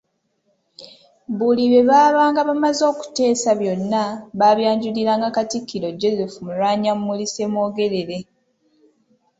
Buli bye babaanga bamaze okuteesa byonna babyanjuliranga Katikkiro Joseph Mulwanyammuli Ssemwogerere.